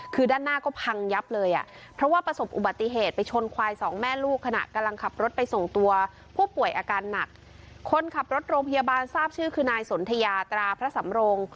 คนขับรถโรงพยาบาลทราบชื่อคือนายสนทยาตราพระสำรงค์